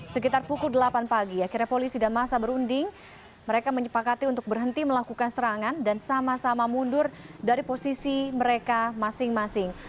sekitar pukul delapan pagi akhirnya polisi dan masa berunding mereka menyepakati untuk berhenti melakukan serangan dan sama sama mundur dari posisi mereka masing masing